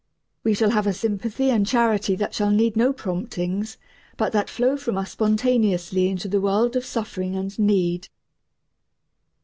We shall have a sympathy and charity that shall need no promptings, but that flow from us spontaneously into the world of suffering and need.